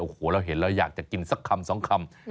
โอ้โหเราเห็นแล้วอยากจะกินสักคำสองคำ